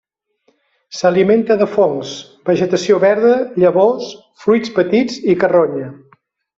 S'alimenta de fongs, vegetació verda, llavors, fruits petits i carronya.